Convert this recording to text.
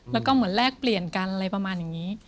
แล้วก็เหมือนแลกเปลี่ยนกันอะไรประมาณอย่างนี้